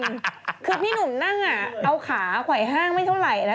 คือพี่หนุ่มนั่งอ่ะเอาขาไหว้ฮ่างไม่เท่าไรนะ